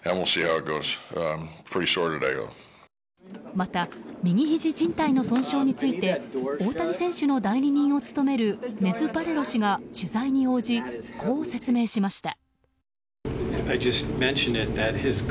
また、右ひじじん帯の損傷について大谷選手の代理人を務めるネズ・バレロ氏が取材に応じこう説明しました。